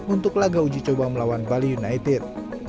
untuk laga uji coba melawan bali united